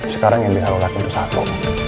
sekarang yang bisa lo lakuin itu satu